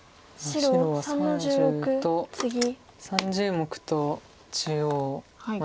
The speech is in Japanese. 白は３０と３０目と中央上辺。